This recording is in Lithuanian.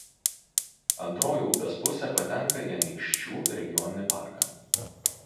Antroji upės pusė patenka į Anykščių regioninį parką.